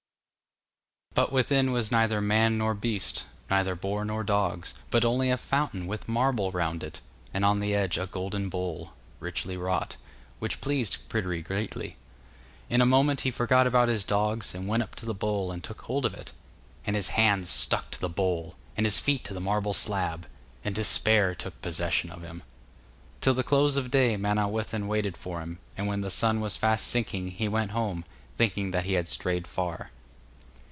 But within was neither man nor beast; neither boar nor dogs, but only a fountain with marble round it, and on the edge a golden bowl, richly wrought, which pleased Pryderi greatly. In a moment he forgot about his dogs, and went up to the bowl and took hold of it, and his hands stuck to the bowl, and his feet to the marble slab, and despair took possession of him. Till the close of day Manawyddan waited for him, and when the sun was fast sinking, he went home, thinking that he had strayed far.